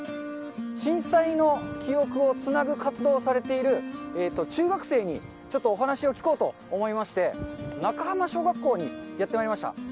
震災の記憶をつなぐ活動をされている、中学生にちょっとお話を聞こうと思いまして、中浜小学校にやってまいりました。